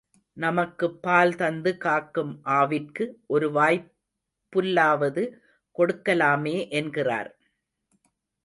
நமக்குப் பால் தந்து காக்கும் ஆவிற்கு ஒருவாய்ப் புல்லாவது கொடுக்கலாமே என்கிறார்.